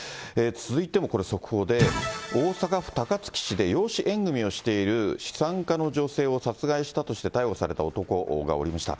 続いてもこれ、速報で、大阪府高槻市で養子縁組みをしている資産家の女性を殺害したとして逮捕された男がおりました。